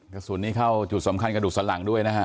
กระสุนนี้เข้าจุดสำคัญกระดูกสันหลังด้วยนะฮะ